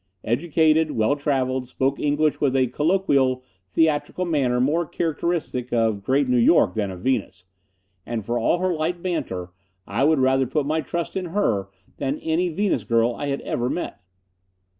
Educated. Well traveled. Spoke English with a colloquial, theatrical manner more characteristic of Great New York than of Venus. And for all her light banter, I would rather put my trust in her than any Venus girl I had ever met.